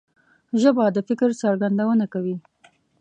ژبه د فکر څرګندونه کوي